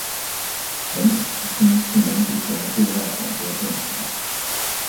蒙古之声是蒙古国的对外广播电台。